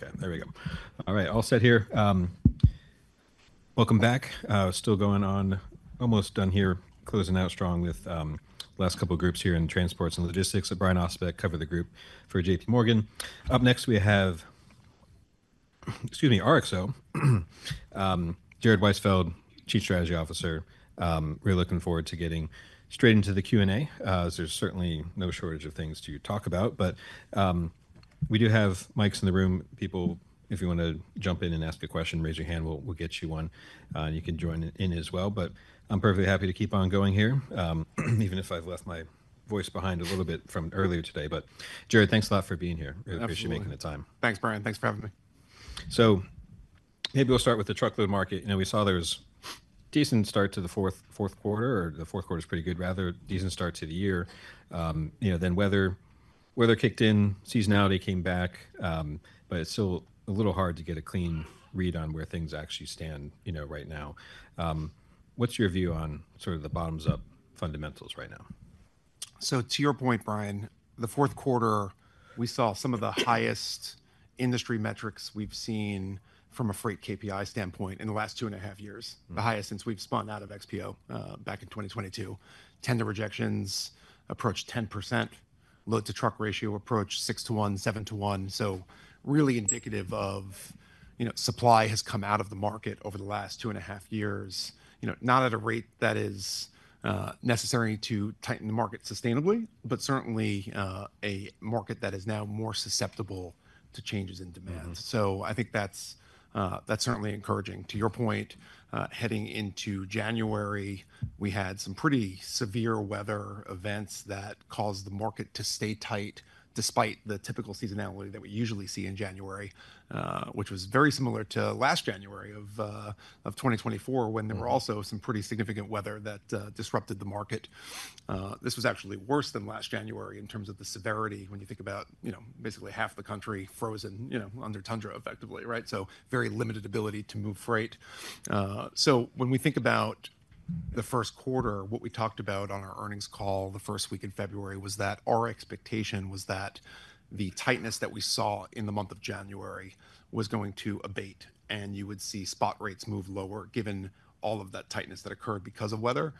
Okay, there we go. All right, all set here. Welcome back. Still going on, almost done here, closing out strong with last couple groups here in transports and logistics. Brian Ossenbeck, cover the group for JPMorgan. Up next, we have, excuse me, RXO, Jared Weisfeld, Chief Strategy Officer. Really looking forward to getting straight into the Q&A. There's certainly no shortage of things to talk about, but we do have mics in the room. People, if you want to jump in and ask a question, raise your hand, we'll get you one, and you can join in as well. I'm perfectly happy to keep on going here, even if I've left my voice behind a little bit from earlier today. Jared, thanks a lot for being here. Really appreciate you making the time. Thanks, Brian. Thanks for having me. Maybe we'll start with the truckload market. You know, we saw there was a decent start to the fourth quarter, or the fourth quarter's pretty good, rather, decent start to the year. You know, then weather kicked in, seasonality came back, but it's still a little hard to get a clean read on where things actually stand right now. What's your view on sort of the bottoms-up fundamentals right now? To your point, Brian, the fourth quarter, we saw some of the highest industry metrics we've seen from a freight KPI standpoint in the last 2.5 years. The highest since we've spun out of XPO, back in 2022. Tender rejections approached 10%. Load-to-truck ratio approached 6-1, 7-1. Really indicative of, you know, supply has come out of the market over the last 2.5 years. You know, not at a rate that is necessary to tighten the market sustainably, but certainly, a market that is now more susceptible to changes in demand. I think that's certainly encouraging. To your point, heading into January, we had some pretty severe weather events that caused the market to stay tight despite the typical seasonality that we usually see in January, which was very similar to last January of 2024 when there were also some pretty significant weather that disrupted the market. This was actually worse than last January in terms of the severity when you think about, you know, basically half the country frozen, you know, under tundra effectively, right? Very limited ability to move freight. When we think about the first quarter, what we talked about on our earnings call the first week in February was that our expectation was that the tightness that we saw in the month of January was going to abate, and you would see spot rates move lower given all of that tightness that occurred because of weather.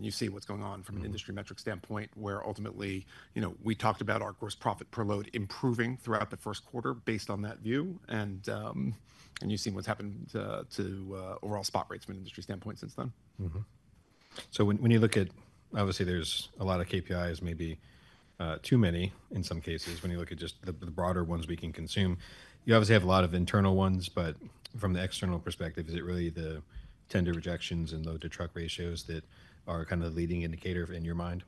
You see what's going on from an industry metric standpoint where ultimately, you know, we talked about our gross profit per load improving throughout the first quarter based on that view, and you've seen what's happened to overall spot rates from an industry standpoint since then. Mm-hmm. When you look at, obviously there's a lot of KPIs, maybe too many in some cases when you look at just the broader ones we can consume. You obviously have a lot of internal ones, but from the external perspective, is it really the tender rejections and load-to-truck ratios that are kind of the leading indicator in your mind?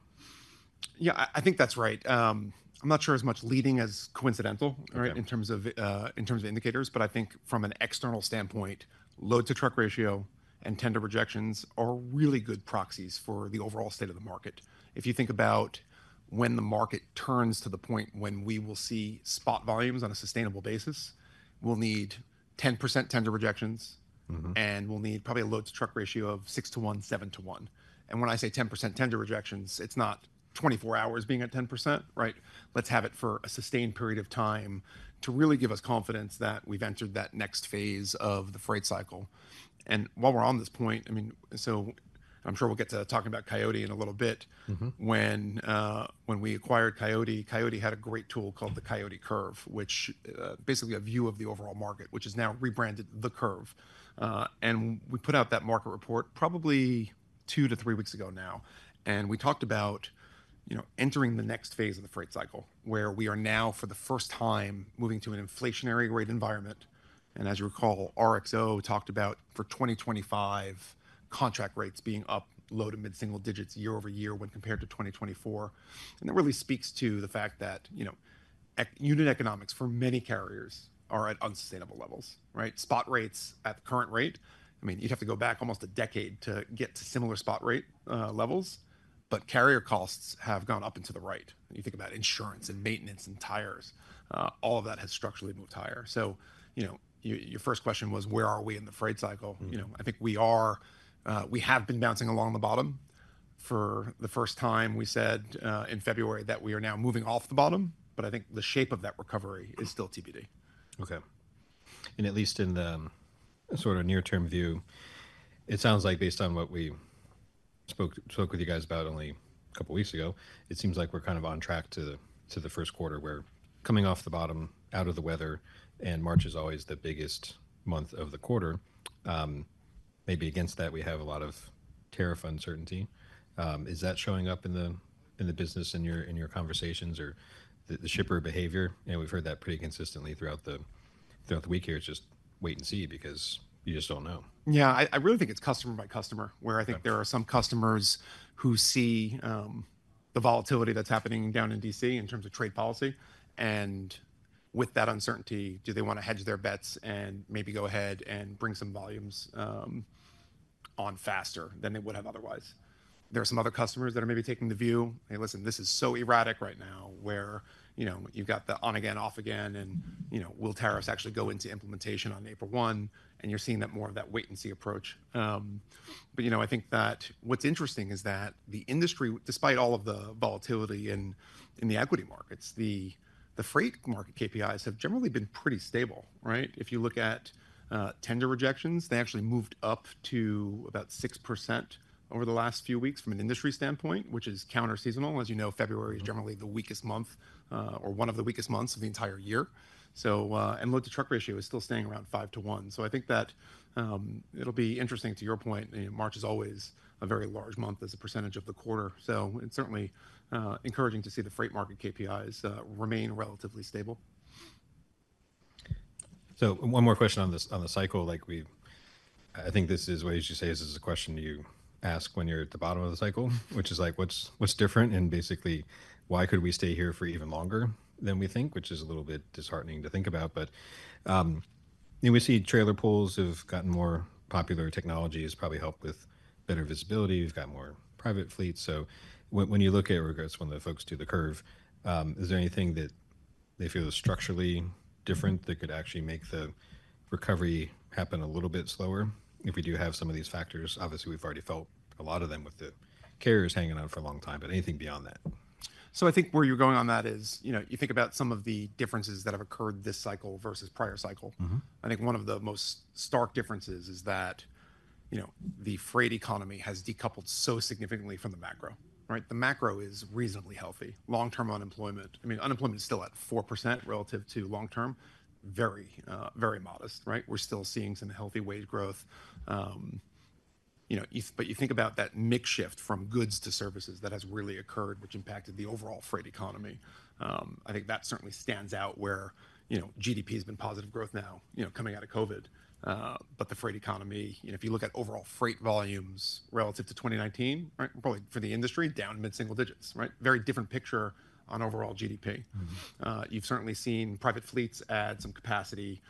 Yeah, I think that's right. I'm not sure as much leading as coincidental, right, in terms of, in terms of indicators, but I think from an external standpoint, load-to-truck ratio and tender rejections are really good proxies for the overall state of the market. If you think about when the market turns to the point when we will see spot volumes on a sustainable basis, we'll need 10% tender rejections. Mm-hmm. We will need probably a load-to-truck ratio of 6-1, 7-1. When I say 10% tender rejections, it is not 24 hours being at 10%, right? Let us have it for a sustained period of time to really give us confidence that we have entered that next phase of the freight cycle. While we are on this point, I mean, I am sure we will get to talking about Coyote in a little bit. Mm-hmm. When we acquired Coyote, Coyote had a great tool called the Coyote Curve, which is basically a view of the overall market, which is now rebranded the Curve. We put out that market report probably 2 weeks-3 weeks ago now. We talked about, you know, entering the next phase of the freight cycle where we are now for the first time moving to an inflationary rate environment. As you recall, RXO talked about for 2025 contract rates being up low to mid-single digits year-over-year when compared to 2024. That really speaks to the fact that, you know, unit economics for many carriers are at unsustainable levels, right? Spot rates at the current rate, I mean, you'd have to go back almost a decade to get to similar spot rate levels. Carrier costs have gone up into the right. You think about insurance and maintenance and tires. All of that has structurally moved higher. You know, your first question was, where are we in the freight cycle? You know, I think we are, we have been bouncing along the bottom for the first time. We said in February that we are now moving off the bottom, but I think the shape of that recovery is still TBD. Okay. At least in the sort of near-term view, it sounds like based on what we spoke with you guys about only a couple weeks ago, it seems like we're kind of on track to the first quarter where coming off the bottom, out of the weather, and March is always the biggest month of the quarter. Maybe against that, we have a lot of tariff uncertainty. Is that showing up in the business, in your conversations or the shipper behavior? You know, we've heard that pretty consistently throughout the week here. It's just wait and see because you just don't know. Yeah, I really think it's customer by customer where I think there are some customers who see the volatility that's happening down in D.C. in terms of trade policy. With that uncertainty, do they want to hedge their bets and maybe go ahead and bring some volumes on faster than they would have otherwise? There are some other customers that are maybe taking the view, hey, listen, this is so erratic right now where, you know, you've got the on again, off again, and, you know, will tariffs actually go into implementation on April 1? You're seeing more of that wait and see approach. You know, I think that what's interesting is that the industry, despite all of the volatility in the equity markets, the freight market KPIs have generally been pretty stable, right? If you look at tender rejections, they actually moved up to about 6% over the last few weeks from an industry standpoint, which is counter-seasonal. As you know, February is generally the weakest month, or one of the weakest months of the entire year. Load-to-truck ratio is still staying around 5-1. I think that it'll be interesting to your point. You know, March is always a very large month as a percentage of the quarter. It is certainly encouraging to see the freight market KPIs remain relatively stable. One more question on this, on the cycle, like we, I think this is what you say is this is a question you ask when you're at the bottom of the cycle, which is like, what's, what's different and basically why could we stay here for even longer than we think, which is a little bit disheartening to think about. You know, we see trailer pools have gotten more popular. Technology has probably helped with better visibility. We've got more private fleets. When you look at, or that's when the folks do the curve, is there anything that they feel is structurally different that could actually make the recovery happen a little bit slower? If we do have some of these factors, obviously we've already felt a lot of them with the carriers hanging on for a long time, but anything beyond that? I think where you're going on that is, you know, you think about some of the differences that have occurred this cycle versus prior cycle. Mm-hmm. I think one of the most stark differences is that, you know, the freight economy has decoupled so significantly from the macro, right? The macro is reasonably healthy. Unemployment is still at 4% relative to long-term. Very, very modest, right? We're still seeing some healthy wage growth. You know, but you think about that mix shift from goods to services that has really occurred, which impacted the overall freight economy. I think that certainly stands out where, you know, GDP has been positive growth now, you know, coming out of COVID. The freight economy, you know, if you look at overall freight volumes relative to 2019, right, probably for the industry down mid-single digits, right? Very different picture on overall GDP. Mm-hmm. You've certainly seen private fleets add some capacity,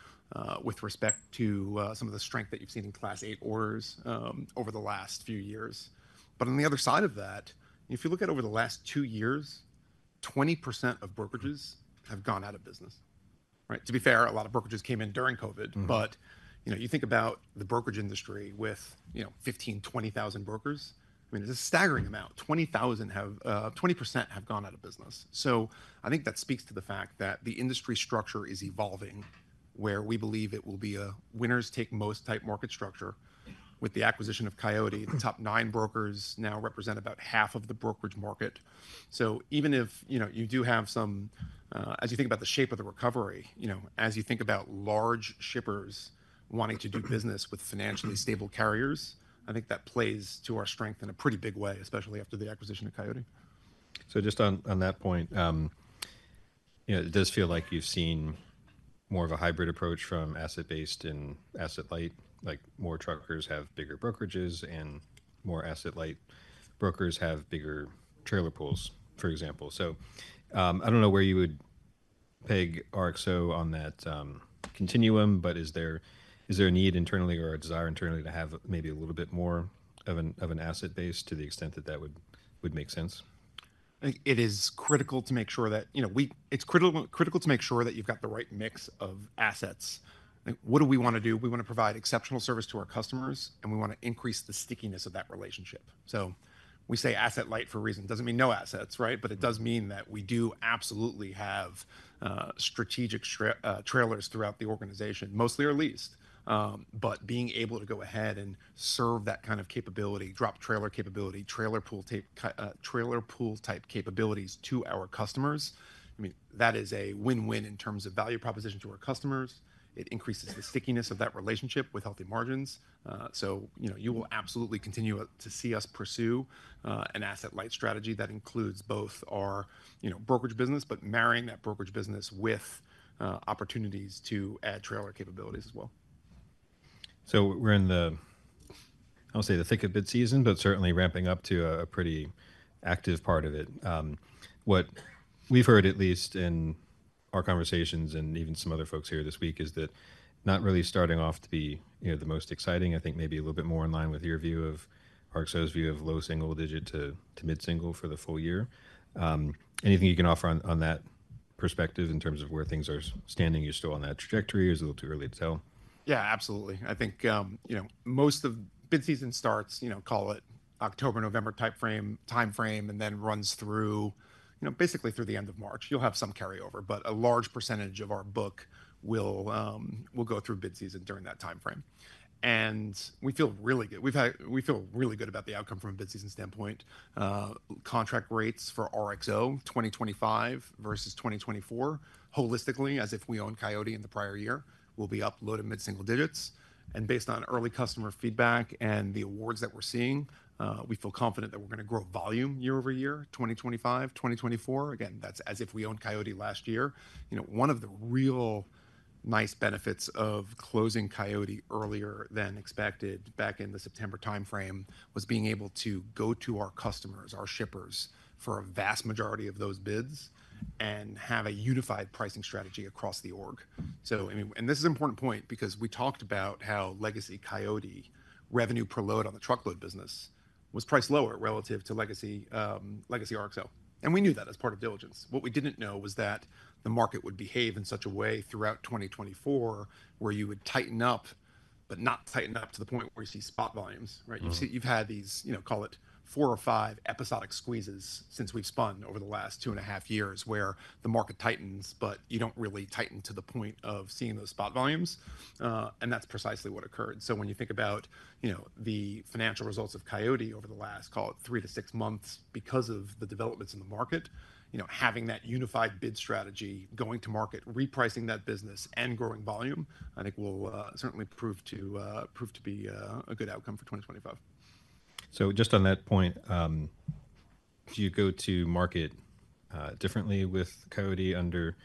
with respect to some of the strength that you've seen in Class 8 orders over the last few years. On the other side of that, if you look at over the last two years, 20% of brokerages have gone out of business, right? To be fair, a lot of brokerages came in during COVID, but, you know, you think about the brokerage industry with, you know, 15,000 brokers-20,000 brokers. I mean, it's a staggering amount. 20% have gone out of business. I think that speaks to the fact that the industry structure is evolving where we believe it will be a winners take most type market structure. With the acquisition of Coyote, the top nine brokers now represent about half of the brokerage market. Even if, you know, you do have some, as you think about the shape of the recovery, you know, as you think about large shippers wanting to do business with financially stable carriers, I think that plays to our strength in a pretty big way, especially after the acquisition of Coyote. Just on that point, you know, it does feel like you've seen more of a hybrid approach from asset-based and asset-light, like more truckers have bigger brokerages and more asset-light brokers have bigger trailer pools, for example. I don't know where you would peg RXO on that continuum, but is there a need internally or a desire internally to have maybe a little bit more of an asset base to the extent that that would make sense? I think it is critical to make sure that, you know, we, it's critical, critical to make sure that you've got the right mix of assets. I think what do we want to do? We want to provide exceptional service to our customers, and we want to increase the stickiness of that relationship. We say asset-light for a reason. It doesn't mean no assets, right? It does mean that we do absolutely have strategic trailers throughout the organization, mostly or least. Being able to go ahead and serve that kind of capability, drop trailer capability, trailer pool type, trailer pool type capabilities to our customers, I mean, that is a win-win in terms of value proposition to our customers. It increases the stickiness of that relationship with healthy margins. You know, you will absolutely continue to see us pursue an asset-light strategy that includes both our, you know, brokerage business, but marrying that brokerage business with opportunities to add trailer capabilities as well. We're in the, I'll say the thick of bid season, but certainly ramping up to a pretty active part of it. What we've heard at least in our conversations and even some other folks here this week is that not really starting off to be, you know, the most exciting. I think maybe a little bit more in line with your view or RXO's view of low-single-digit to mid-single for the full year. Anything you can offer on that perspective in terms of where things are standing? You're still on that trajectory or is it a little too early to tell? Yeah, absolutely. I think, you know, most of bid season starts, you know, call it October, November timeframe, and then runs through, you know, basically through the end of March. You'll have some carryover, but a large percentage of our book will go through bid season during that timeframe. We feel really good. We've had, we feel really good about the outcome from a bid season standpoint. Contract rates for RXO 2025 versus 2024, holistically, as if we owned Coyote in the prior year, will be up low to mid-single-digits. Based on early customer feedback and the awards that we're seeing, we feel confident that we're going to grow volume year over year, 2025, 2024. Again, that's as if we owned Coyote last year. You know, one of the real nice benefits of closing Coyote earlier than expected back in the September timeframe was being able to go to our customers, our shippers for a vast majority of those bids and have a unified pricing strategy across the org. I mean, and this is an important point because we talked about how legacy Coyote revenue per load on the truckload business was priced lower relative to legacy, legacy RXO. We knew that as part of diligence. What we did not know was that the market would behave in such a way throughout 2024 where you would tighten up, but not tighten up to the point where you see spot volumes, right? You've seen, you've had these, you know, call it four or five episodic squeezes since we've spun over the last 2.5 years where the market tightens, but you don't really tighten to the point of seeing those spot volumes. That's precisely what occurred. When you think about, you know, the financial results of Coyote over the last, call it 3 months-6 months, because of the developments in the market, you know, having that unified bid strategy, going to market, repricing that business and growing volume, I think will certainly prove to, prove to be, a good outcome for 2025. Just on that point, do you go to market differently with Coyote under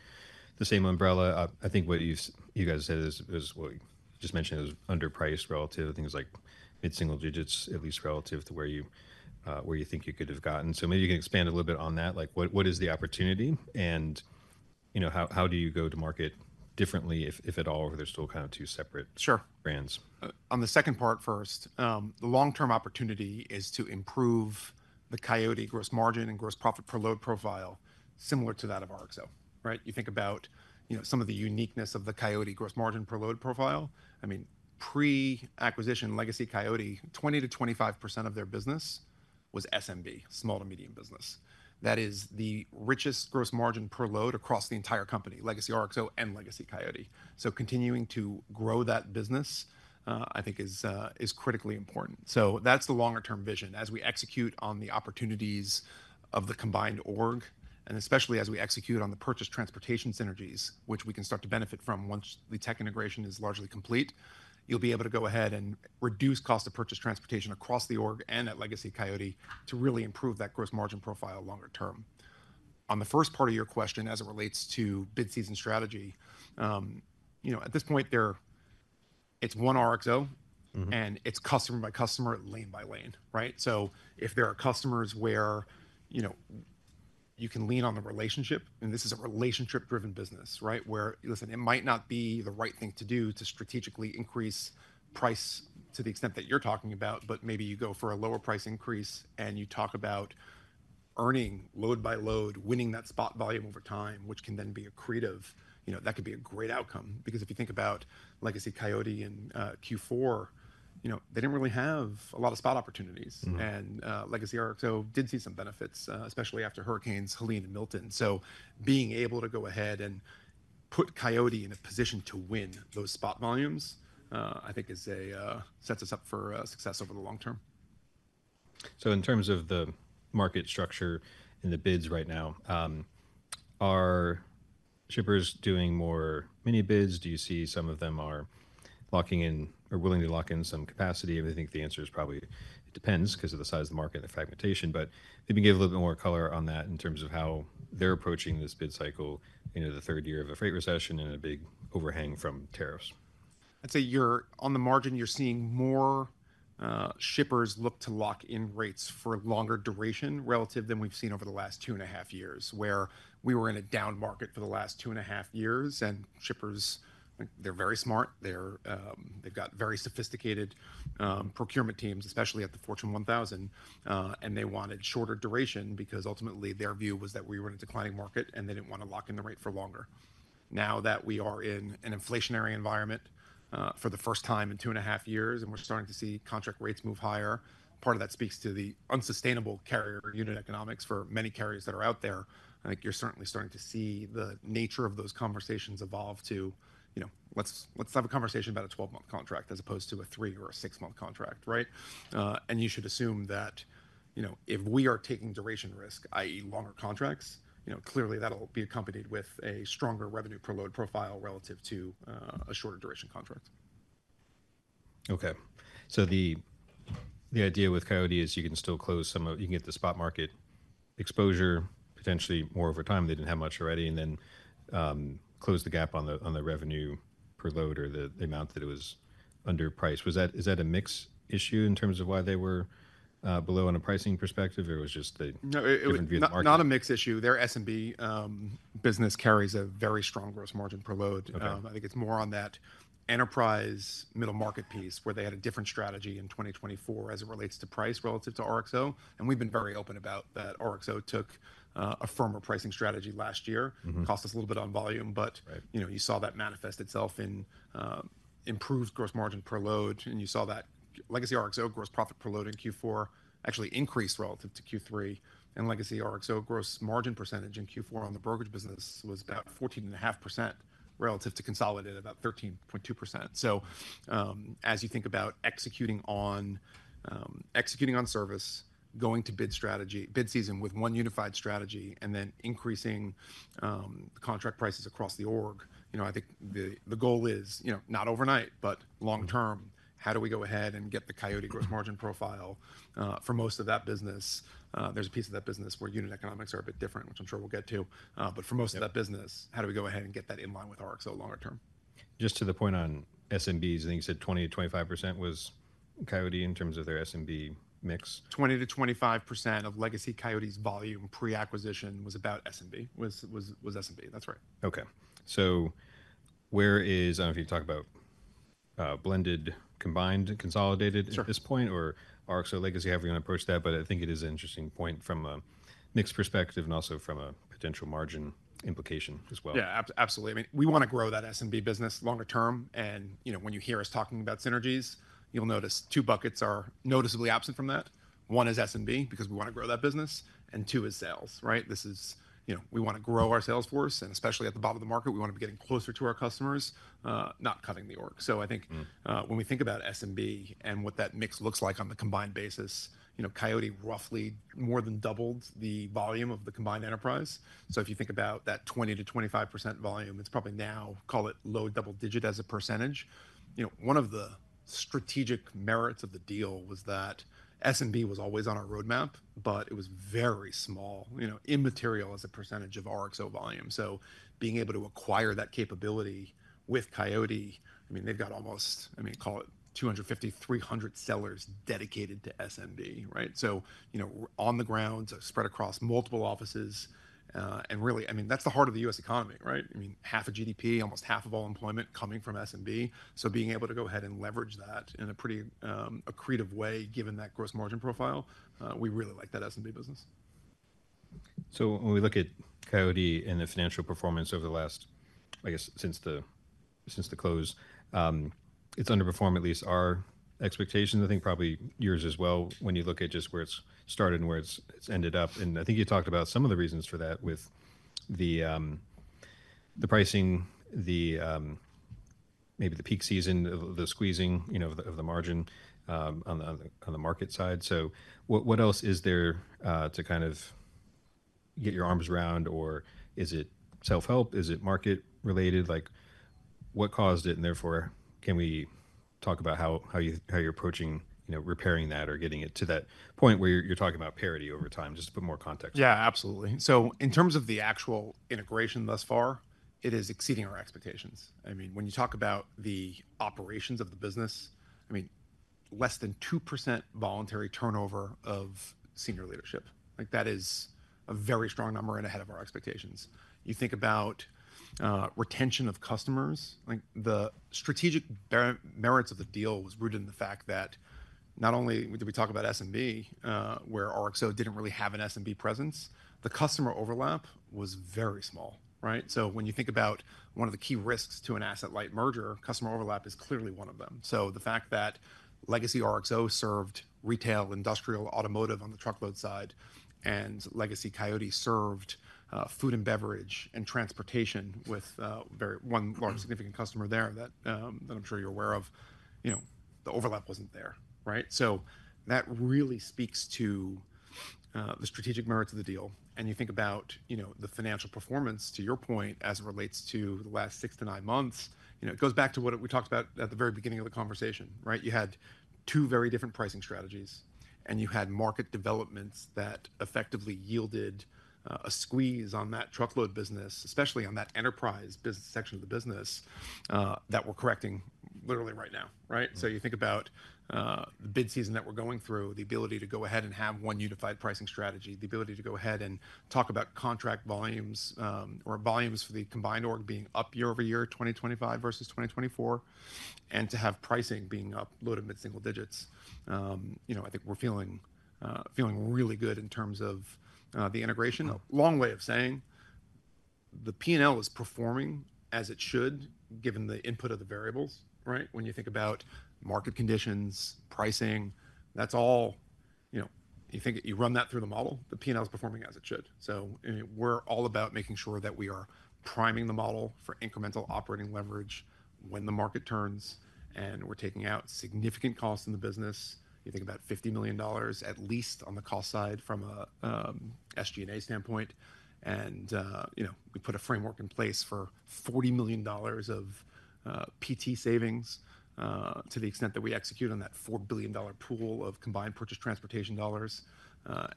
the same umbrella? I think what you guys said is what you just mentioned is underpriced relative to things like mid-single-digits, at least relative to where you think you could have gotten. Maybe you can expand a little bit on that. Like what is the opportunity and, you know, how do you go to market differently if, if at all, if they're still kind of two separate. Sure. Brands? On the second part first, the long-term opportunity is to improve the Coyote gross margin and gross profit per load profile similar to that of RXO, right? You think about, you know, some of the uniqueness of the Coyote gross margin per load profile. I mean, pre-acquisition legacy Coyote, 20%-25% of their business was SMB, small to medium business. That is the richest gross margin per load across the entire company, legacy RXO and legacy Coyote. Continuing to grow that business, I think is, is critically important. That's the longer-term vision as we execute on the opportunities of the combined org, and especially as we execute on the purchase transportation synergies, which we can start to benefit from once the tech integration is largely complete. You'll be able to go ahead and reduce cost of purchase transportation across the org and at legacy Coyote to really improve that gross margin profile longer term. On the first part of your question, as it relates to bid season strategy, you know, at this point there, it's one RXO and it's customer by customer, lane by lane, right? If there are customers where, you know, you can lean on the relationship, and this is a relationship-driven business, right? Where, listen, it might not be the right thing to do to strategically increase price to the extent that you're talking about, but maybe you go for a lower price increase and you talk about earning load by load, winning that spot volume over time, which can then be accretive, you know, that could be a great outcome because if you think about legacy Coyote and Q4, you know, they didn't really have a lot of spot opportunities. Legacy RXO did see some benefits, especially after Hurricanes Helene and Milton. Being able to go ahead and put Coyote in a position to win those spot volumes, I think, sets us up for success over the long term. In terms of the market structure and the bids right now, are shippers doing more mini bids? Do you see some of them are locking in or willing to lock in some capacity? I think the answer is probably it depends because of the size of the market and the fragmentation, but maybe give a little bit more color on that in terms of how they're approaching this bid cycle into the third year of a freight recession and a big overhang from tariffs. I'd say you're on the margin, you're seeing more shippers look to lock in rates for longer duration relative than we've seen over the last 2.5 years where we were in a down market for the last 2.5 years and shippers, they're very smart. They've got very sophisticated procurement teams, especially at the Fortune 1000, and they wanted shorter duration because ultimately their view was that we were in a declining market and they didn't want to lock in the rate for longer. Now that we are in an inflationary environment, for the first time in 2.5 years and we're starting to see contract rates move higher, part of that speaks to the unsustainable carrier unit economics for many carriers that are out there. I think you're certainly starting to see the nature of those conversations evolve to, you know, let's, let's have a conversation about a 12-month contract as opposed to a three or a six-month contract, right? You should assume that, you know, if we are taking duration risk, i.e., longer contracts, you know, clearly that'll be accompanied with a stronger revenue per load profile relative to a shorter duration contract. Okay. The idea with Coyote is you can still close some of, you can get the spot market exposure potentially more over time. They did not have much already and then close the gap on the revenue per load or the amount that it was underpriced. Was that, is that a mix issue in terms of why they were below on a pricing perspective or it was just the. No, it was not a mix issue. Their SMB business carries a very strong gross margin per load. I think it is more on that enterprise middle market piece where they had a different strategy in 2024 as it relates to price relative to RXO. We have been very open about that. RXO took a firmer pricing strategy last year. It cost us a little bit on volume, but you know, you saw that manifest itself in improved gross margin per load and you saw that legacy RXO gross profit per load in Q4 actually increased relative to Q3. Legacy RXO gross margin percentage in Q4 on the brokerage business was about 14.5% relative to consolidated about 13.2%. As you think about executing on service, going to bid strategy, bid season with one unified strategy and then increasing contract prices across the org, you know, I think the goal is, you know, not overnight, but long term, how do we go ahead and get the Coyote gross margin profile for most of that business? There's a piece of that business where unit economics are a bit different, which I'm sure we'll get to. For most of that business, how do we go ahead and get that in line with RXO longer term? Just to the point on SMBs, I think you said 20%-25% was Coyote in terms of their SMB mix. 20%-25% of legacy Coyote's volume pre-acquisition was about SMB, was SMB. That's right. Okay. Where is, if you talk about blended, combined, consolidated at this point or RXO legacy, however you want to approach that, but I think it is an interesting point from a mixed perspective and also from a potential margin implication as well. Yeah, absolutely. I mean, we want to grow that SMB business longer term. And, you know, when you hear us talking about synergies, you'll notice two buckets are noticeably absent from that. One is SMB because we want to grow that business and two is sales, right? This is, you know, we want to grow our sales force and especially at the bottom of the market, we want to be getting closer to our customers, not cutting the org. I think, when we think about SMB and what that mix looks like on the combined basis, you know, Coyote roughly more than doubled the volume of the combined enterprise. If you think about that 20%-25% volume, it's probably now, call it low-double-digit as a percentage. You know, one of the strategic merits of the deal was that SMB was always on our roadmap, but it was very small, you know, immaterial as a percentage of RXO volume. Being able to acquire that capability with Coyote, I mean, they've got almost, I mean, call it 250 sellers-300 sellers dedicated to SMB, right? You know, on the ground, spread across multiple offices, and really, I mean, that's the heart of the U.S. economy, right? I mean, half of GDP, almost half of all employment coming from SMB. Being able to go ahead and leverage that in a pretty accretive way, given that gross margin profile, we really like that SMB business. When we look at Coyote and the financial performance over the last, I guess, since the close, it's underperformed at least our expectations. I think probably yours as well when you look at just where it started and where it's ended up. I think you talked about some of the reasons for that with the pricing, maybe the peak season of the squeezing, you know, of the margin, on the market side. What else is there to kind of get your arms around or is it self-help? Is it market related? Like what caused it? Therefore can we talk about how you, how you're approaching, you know, repairing that or getting it to that point where you're talking about parity over time, just to put more context? Yeah, absolutely. In terms of the actual integration thus far, it is exceeding our expectations. I mean, when you talk about the operations of the business, I mean, less than 2% voluntary turnover of senior leadership. Like that is a very strong number and ahead of our expectations. You think about retention of customers, like the strategic merits of the deal was rooted in the fact that not only did we talk about SMB, where RXO did not really have an SMB presence, the customer overlap was very small, right? When you think about one of the key risks to an asset light merger, customer overlap is clearly one of them. The fact that legacy RXO served retail, industrial, automotive on the truckload side and legacy Coyote served food and beverage and transportation with one very large significant customer there that I'm sure you're aware of, the overlap wasn't there, right? That really speaks to the strategic merits of the deal. You think about the financial performance to your point as it relates to the last 6 months-9 months, it goes back to what we talked about at the very beginning of the conversation, right? You had two very different pricing strategies and you had market developments that effectively yielded a squeeze on that truckload business, especially on that enterprise business section of the business, that we're correcting literally right now, right? You think about the bid season that we're going through, the ability to go ahead and have one unified pricing strategy, the ability to go ahead and talk about contract volumes, or volumes for the combined org being up year-over-year, 2025 versus 2024, and to have pricing being up, low to mid-single-digits. You know, I think we're feeling, feeling really good in terms of the integration. Long way of saying the P&L is performing as it should given the input of the variables, right? When you think about market conditions, pricing, that's all, you know, you think you run that through the model, the P&L is performing as it should. We are all about making sure that we are priming the model for incremental operating leverage when the market turns and we're taking out significant costs in the business. You think about $50 million at least on the cost side from a SG&A standpoint. And, you know, we put a framework in place for $40 million of PT savings, to the extent that we execute on that $4 billion pool of combined purchase transportation dollars.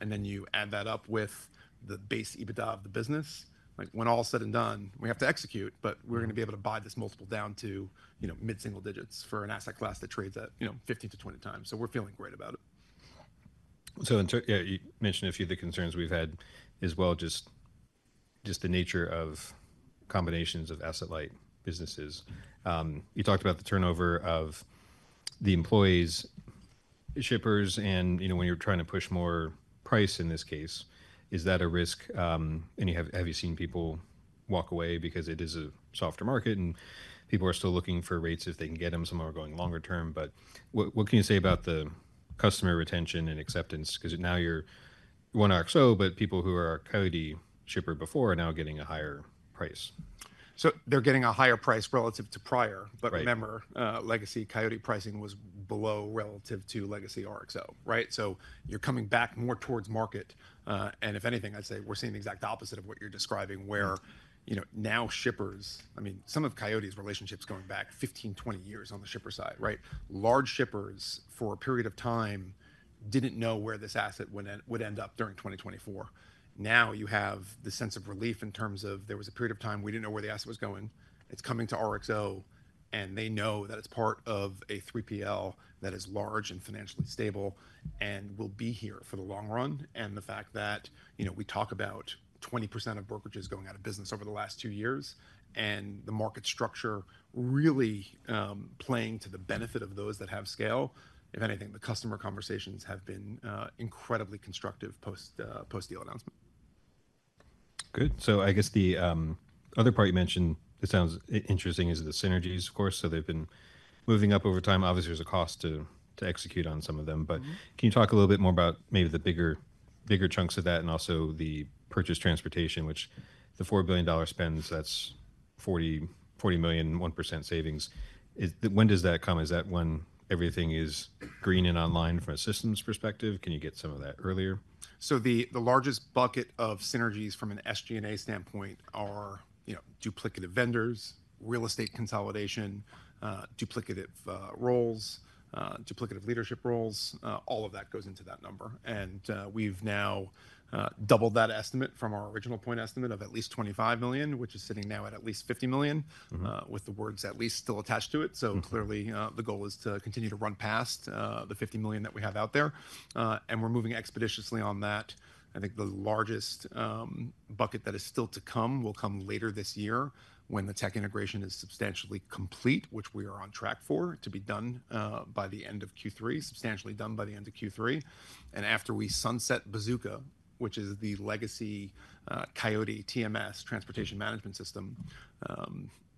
And then you add that up with the base EBITDA of the business. Like when all said and done, we have to execute, but we're going to be able to buy this multiple down to, you know, mid-single-digits for an asset class that trades at, you know, 15x-20x. So we're feeling great about it. In terms, yeah, you mentioned a few of the concerns we've had as well, just the nature of combinations of asset light businesses. You talked about the turnover of the employees, shippers, and, you know, when you're trying to push more price in this case, is that a risk? Have you seen people walk away because it is a softer market and people are still looking for rates if they can get them somewhere going longer term? What can you say about the customer retention and acceptance? Because now you're one RXO, but people who are a Coyote shipper before are now getting a higher price. They're getting a higher price relative to prior, but remember, legacy Coyote pricing was below relative to legacy RXO, right? You're coming back more towards market. If anything, I'd say we're seeing the exact opposite of what you're describing where, you know, now shippers, I mean, some of Coyote's relationships going back 15 years-20 years on the shipper side, right? Large shippers for a period of time didn't know where this asset would end up during 2024. Now you have the sense of relief in terms of there was a period of time we didn't know where the asset was going. It's coming to RXO and they know that it's part of a 3PL that is large and financially stable and will be here for the long run. The fact that, you know, we talk about 20% of brokerages going out of business over the last two years and the market structure really playing to the benefit of those that have scale. If anything, the customer conversations have been incredibly constructive post-deal announcement. Good. I guess the other part you mentioned that sounds interesting is the synergies, of course. They've been moving up over time. Obviously, there's a cost to execute on some of them, but can you talk a little bit more about maybe the bigger, bigger chunks of that and also the purchase transportation, which the $4 billion spends, that's $40 million, 1% savings. Is that, when does that come? Is that when everything is green and online from a systems perspective? Can you get some of that earlier? The largest bucket of synergies from an SG&A standpoint are, you know, duplicative vendors, real estate consolidation, duplicative roles, duplicative leadership roles, all of that goes into that number. We've now doubled that estimate from our original point estimate of at least $25 million, which is sitting now at at least $50 million, with the words at least still attached to it. Clearly, the goal is to continue to run past the $50 million that we have out there, and we're moving expeditiously on that. I think the largest bucket that is still to come will come later this year when the tech integration is substantially complete, which we are on track for to be done by the end of Q3, substantially done by the end of Q3. After we sunset Bazooka, which is the legacy Coyote TMS transportation management system,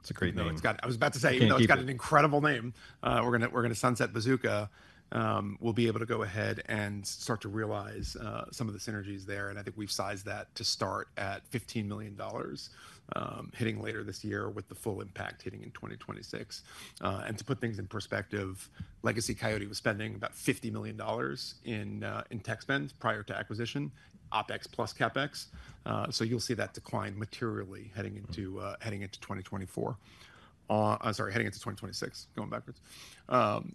It's a great name. It's got, I was about to say, you know, it's got an incredible name. We're going to sunset Bazooka. We'll be able to go ahead and start to realize some of the synergies there. I think we've sized that to start at $15 million, hitting later this year with the full impact hitting in 2026. To put things in perspective, legacy Coyote was spending about $50 million in tech spends prior to acquisition, OpEx+CapEx. You'll see that decline materially heading into 2024. I'm sorry, heading into 2026, going backwards.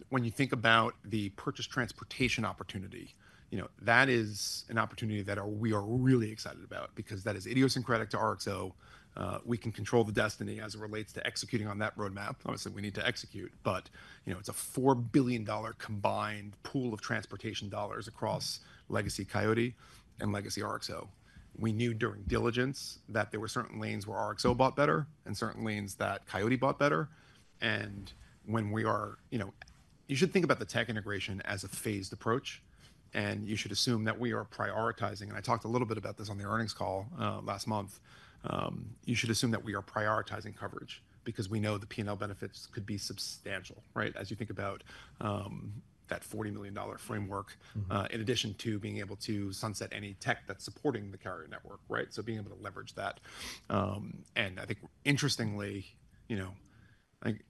When you think about the purchase transportation opportunity, you know, that is an opportunity that we are really excited about because that is idiosyncratic to RXO. We can control the destiny as it relates to executing on that roadmap. Obviously, we need to execute, but you know, it's a $4 billion combined pool of transportation dollars across legacy Coyote and legacy RXO. We knew during diligence that there were certain lanes where RXO bought better and certain lanes that Coyote bought better. You should think about the tech integration as a phased approach and you should assume that we are prioritizing. I talked a little bit about this on the earnings call last month. You should assume that we are prioritizing coverage because we know the P&L benefits could be substantial, right? As you think about that $40 million framework, in addition to being able to sunset any tech that's supporting the carrier network, right? So being able to leverage that. I think interestingly, you know, I think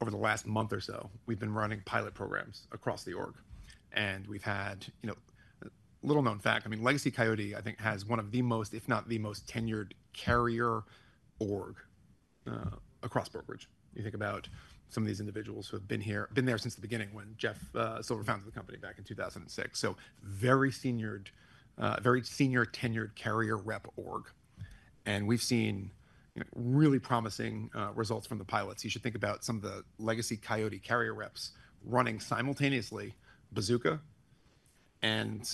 over the last month or so, we've been running pilot programs across the org and we've had, you know, little known fact. I mean, legacy Coyote, I think has one of the most, if not the most tenured carrier org, across brokerage. You think about some of these individuals who have been there since the beginning when Jeff Silver founded the company back in 2006. So very senior, very senior tenured carrier rep org. We've seen, you know, really promising results from the pilots. You should think about some of the legacy Coyote carrier reps running simultaneously Bazooka and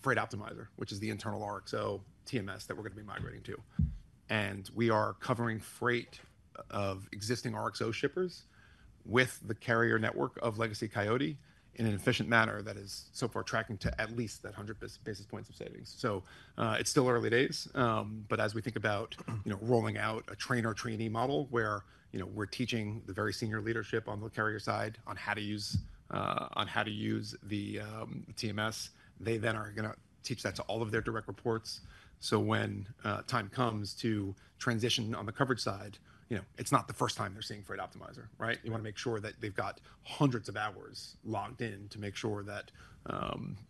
Freight Optimizer, which is the internal RXO TMS that we're going to be migrating to. We are covering freight of existing RXO shippers with the carrier network of legacy Coyote in an efficient manner that is so far tracking to at least that 100 basis points of savings. It is still early days, but as we think about, you know, rolling out a trainer trainee model where, you know, we're teaching the very senior leadership on the carrier side on how to use, on how to use the TMS, they then are going to teach that to all of their direct reports. When time comes to transition on the coverage side, you know, it is not the first time they're seeing Freight Optimizer, right? You want to make sure that they've got hundreds of hours logged in to make sure that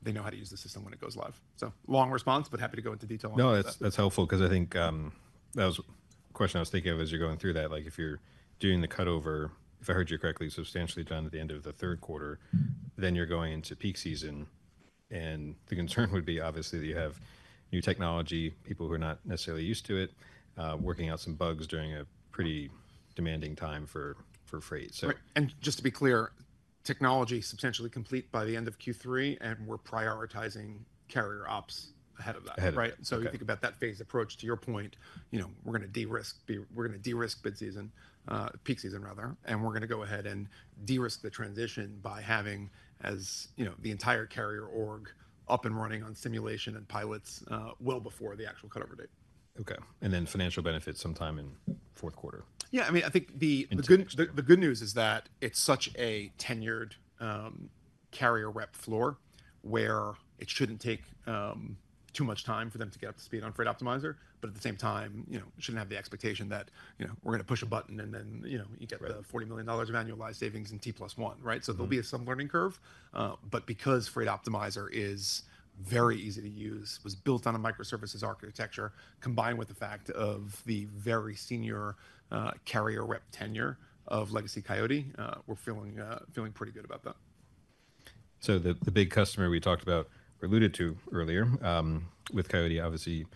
they know how to use the system when it goes live. Long response, but happy to go into detail on that. No, that's helpful. Cause I think that was a question I was thinking of as you're going through that. Like if you're doing the cutover, if I heard you correctly, substantially done at the end of the third quarter, then you're going into peak season. The concern would be obviously that you have new technology, people who are not necessarily used to it, working out some bugs during a pretty demanding time for freight. Just to be clear, technology substantially complete by the end of Q3 and we're prioritizing carrier ops ahead of that, right? You think about that phase approach to your point, you know, we're going to de-risk, we're going to de-risk mid-season, peak season rather, and we're going to go ahead and de-risk the transition by having, as you know, the entire carrier org up and running on simulation and pilots, well before the actual cutover date. Okay. Financial benefits sometime in fourth quarter. Yeah. I mean, I think the good news is that it's such a tenured carrier rep floor where it shouldn't take too much time for them to get up to speed on Freight Optimizer, but at the same time, you know, shouldn't have the expectation that, you know, we're going to push a button and then, you know, you get the $40 million of annualized savings in T+1, right? There'll be some learning curve, but because Freight Optimizer is very easy to use, was built on a microservices architecture combined with the fact of the very senior carrier rep tenure of legacy Coyote, we're feeling pretty good about that. The big customer we talked about, we alluded to earlier, with Coyote, obviously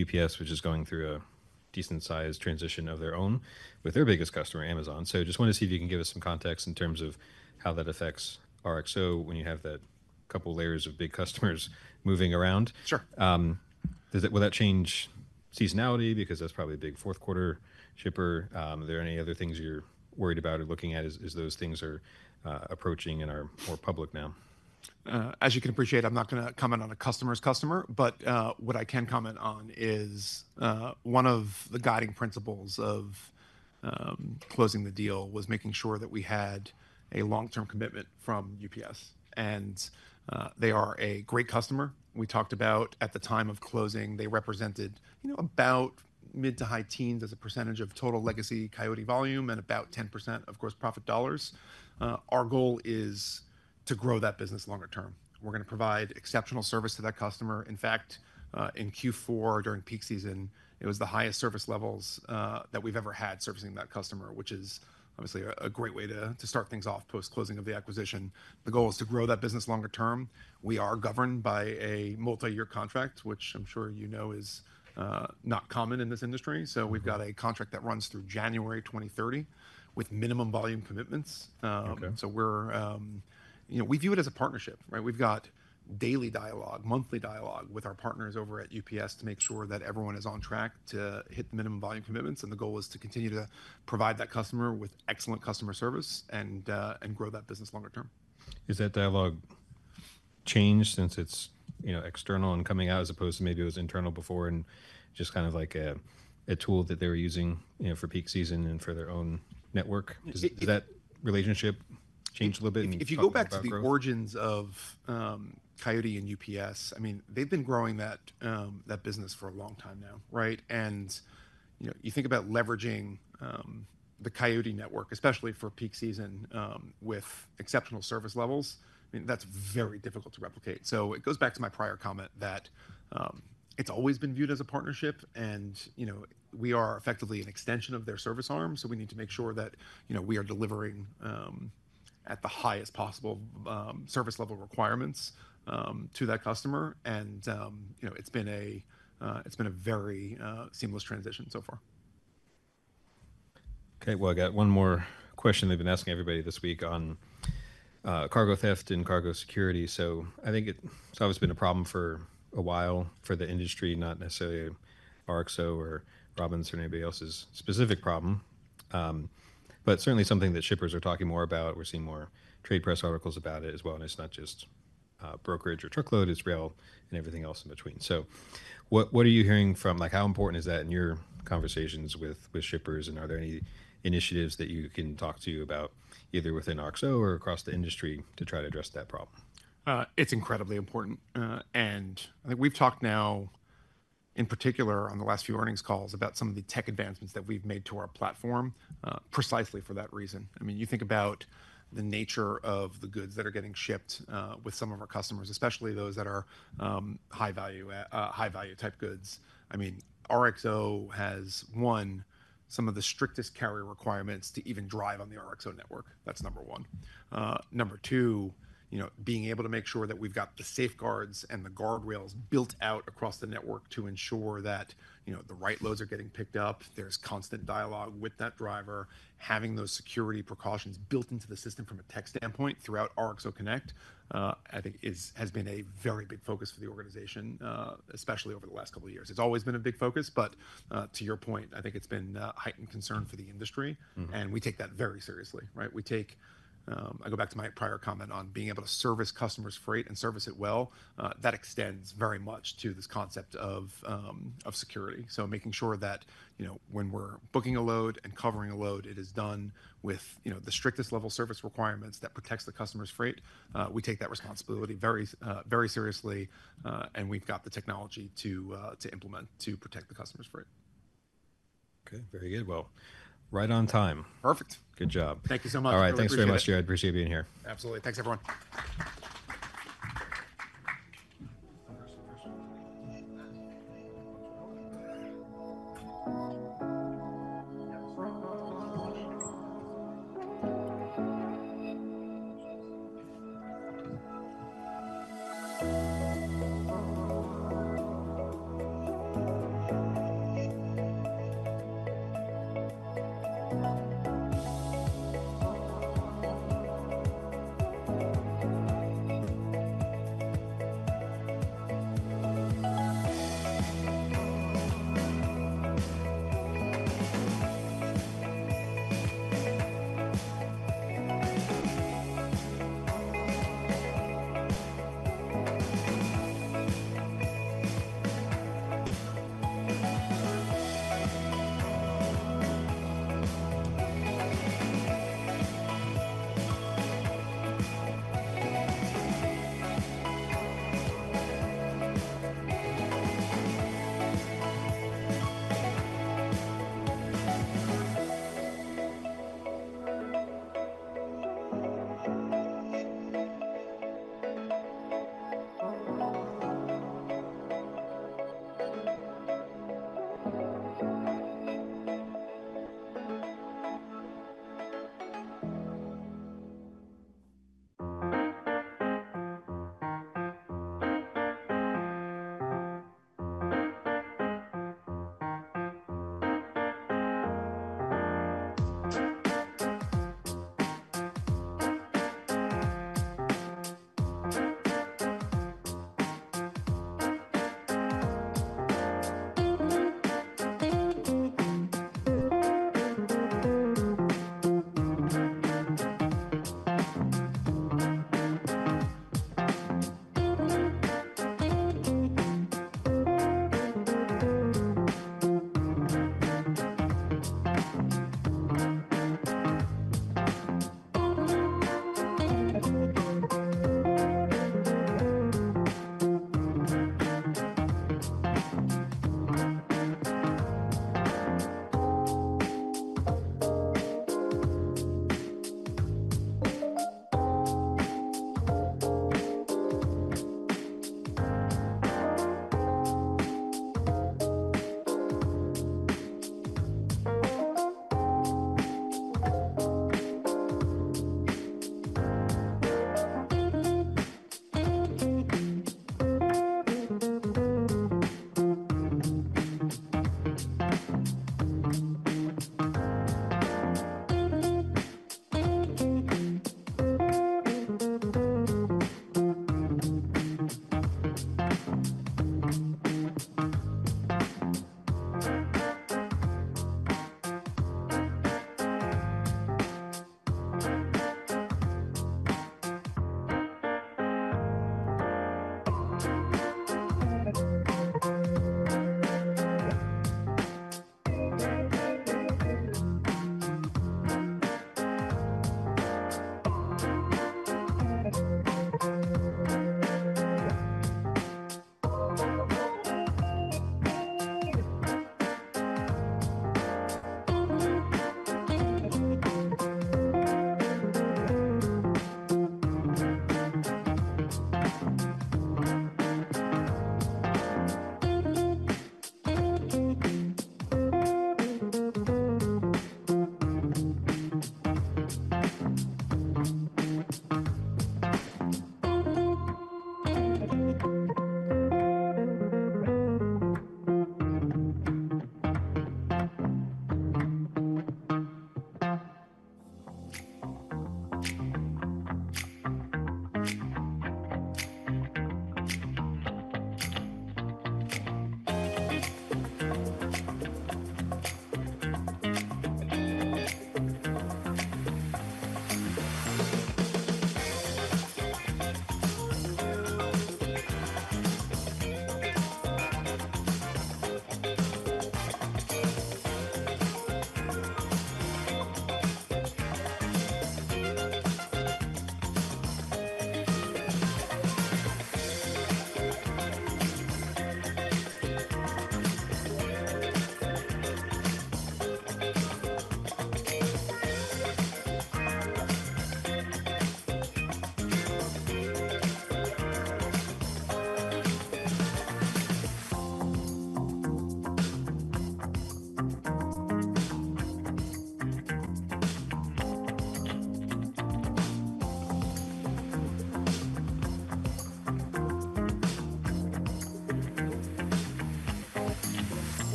UPS, which is going through a decent size transition of their own with their biggest customer, Amazon. I just want to see if you can give us some context in terms of how that affects RXO when you have that couple layers of big customers moving around? Sure. Does that, will that change seasonality? Because that's probably a big fourth quarter shipper. Are there any other things you're worried about or looking at as those things are approaching and are more public now? As you can appreciate, I'm not going to comment on a customer's customer, but what I can comment on is, one of the guiding principles of closing the deal was making sure that we had a long-term commitment from UPS. They are a great customer. We talked about at the time of closing, they represented, you know, about mid to high teens as a percentage of total legacy Coyote volume and about 10% of gross profit dollars. Our goal is to grow that business longer term. We're going to provide exceptional service to that customer. In fact, in Q4 during peak season, it was the highest service levels that we've ever had servicing that customer, which is obviously a great way to start things off post-closing of the acquisition. The goal is to grow that business longer term. We are governed by a multi-year contract, which I'm sure you know is not common in this industry. We've got a contract that runs through January 2030 with minimum volume commitments. You know, we view it as a partnership, right? We've got daily dialogue, monthly dialogue with our partners over at UPS to make sure that everyone is on track to hit the minimum volume commitments. The goal is to continue to provide that customer with excellent customer service and grow that business longer term. Is that dialogue changed since it's, you know, external and coming out as opposed to maybe it was internal before and just kind of like a, a tool that they were using, you know, for peak season and for their own network? Does that relationship change a little bit? If you go back to the origins of Coyote and UPS, I mean, they've been growing that business for a long time now, right? You know, you think about leveraging the Coyote network, especially for peak season, with exceptional service levels. I mean, that's very difficult to replicate. It goes back to my prior comment that it's always been viewed as a partnership and, you know, we are effectively an extension of their service arm. We need to make sure that, you know, we are delivering at the highest possible service level requirements to that customer. You know, it's been a very seamless transition so far. Okay. I got one more question they've been asking everybody this week on cargo theft and cargo security. I think it's always been a problem for a while for the industry, not necessarily RXO or Robinson or anybody else's specific problem, but certainly something that shippers are talking more about. We're seeing more trade press articles about it as well. It's not just brokerage or truckload, it's rail and everything else in between. What are you hearing from, like, how important is that in your conversations with shippers? Are there any initiatives that you can talk to about either within RXO or across the industry to try to address that problem? It's incredibly important. I think we've talked now in particular on the last few earnings calls about some of the tech advancements that we've made to our platform, precisely for that reason. I mean, you think about the nature of the goods that are getting shipped, with some of our customers, especially those that are high value, high value type goods. I mean, RXO has won some of the strictest carrier requirements to even drive on the RXO network. That's number one. Number two, you know, being able to make sure that we've got the safeguards and the guardrails built out across the network to ensure that, you know, the right loads are getting picked up. There's constant dialogue with that driver, having those security precautions built into the system from a tech standpoint throughout RXO Connect, I think has been a very big focus for the organization, especially over the last couple of years. It's always been a big focus, but, to your point, I think it's been a heightened concern for the industry and we take that very seriously, right? We take, I go back to my prior comment on being able to service customers' freight and service it well. That extends very much to this concept of security. Making sure that, you know, when we're booking a load and covering a load, it is done with, you know, the strictest level service requirements that protects the customer's freight. We take that responsibility very, very seriously. And we've got the technology to implement to protect the customer's freight. Okay. Very good. Right on time. Perfect. Good job. Thank you so much. All right. Thanks very much, Jared. Appreciate being here. Absolutely. Thanks everyone.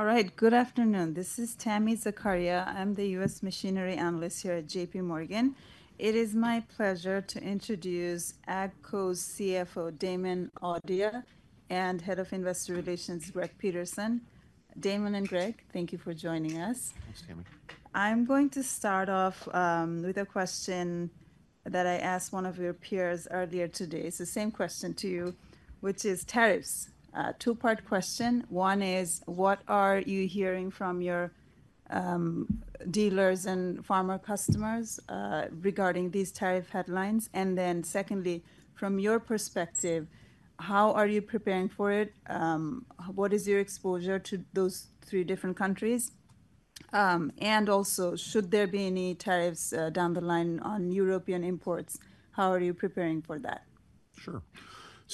All right. Good afternoon. This is Tami Zakaria. I'm the U.S. machinery Analyst here at JPMorgan. It is my pleasure to introduce AGCO's CFO, Damon Audia, and Head of Investor Relations, Greg Peterson. Damon and Greg, thank you for joining us. Thanks, Tami. I'm going to start off with a question that I asked one of your peers earlier today. It's the same question to you, which is tariffs. Two-part question. One is, what are you hearing from your dealers and farmer customers regarding these tariff headlines? And then secondly, from your perspective, how are you preparing for it? What is your exposure to those three different countries? And also, should there be any tariffs down the line on European imports, how are you preparing for that? Sure.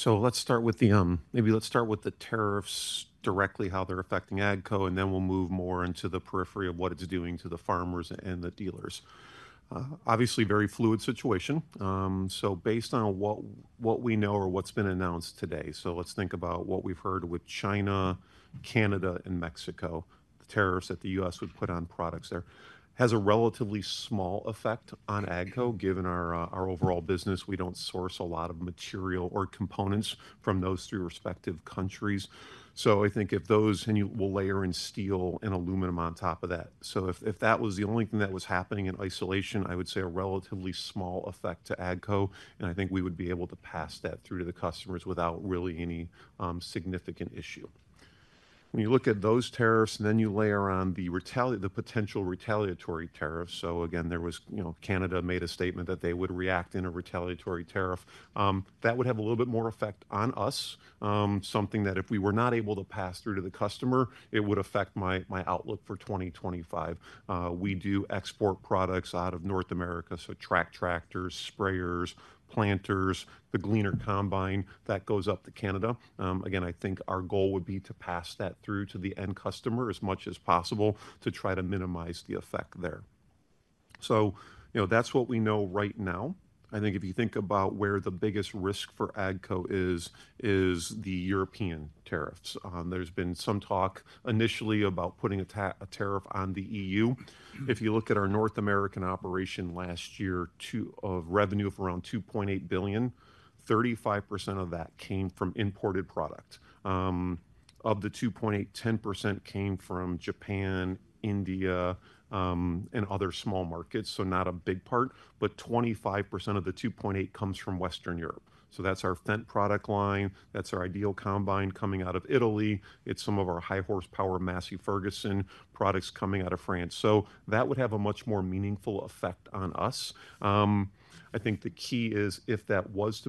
Let's start with the, maybe let's start with the tariffs directly, how they're affecting AGCO, and then we'll move more into the periphery of what it's doing to the farmers and the dealers. Obviously very fluid situation. So based on what we know or what's been announced today, let's think about what we've heard with China, Canada, and Mexico, the tariffs that the U.S. would put on products there has a relatively small effect on AGCO given our overall business. We don't source a lot of material or components from those three respective countries. I think if those, and you will layer in steel and aluminum on top of that. If that was the only thing that was happening in isolation, I would say a relatively small effect to AGCO, and I think we would be able to pass that through to the customers without really any significant issue. When you look at those tariffs, then you layer on the potential retaliatory tariffs. Again, there was, you know, Canada made a statement that they would react in a retaliatory tariff. That would have a little bit more effect on us, something that if we were not able to pass through to the customer, it would affect my outlook for 2025. We do export products out of North America, so track tractors, sprayers, planters, the Gleaner combine that goes up to Canada. Again, I think our goal would be to pass that through to the end customer as much as possible to try to minimize the effect there. You know, that's what we know right now. I think if you think about where the biggest risk for AGCO is, it is the European tariffs. There's been some talk initially about putting a tariff on the European Union. If you look at our North American operation last year, revenue of around $2.8 billion, 35% of that came from imported product. Of the $2.8 billion, 10% came from Japan, India, and other small markets. Not a big part, but 25% of the $2.8 billion comes from Western Europe. That's our Fendt product line. That's our Ideal combine coming out of Italy. It's some of our high horsepower Massey Ferguson products coming out of France. That would have a much more meaningful effect on us. I think the key is if that was.